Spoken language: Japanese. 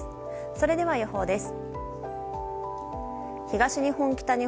それでは、予報です。